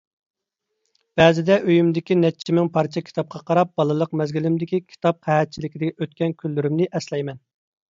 بەزىدە ئۆيۈمدىكى نەچچە مىڭ پارچە كىتابقا قاراپ بالىلىق مەزگىلىمدىكى كىتاب قەھەتچىلىكىدە ئۆتكەن كۈنلىرىمنى ئەسلەيمەن.